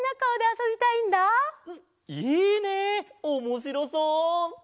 おもしろそう！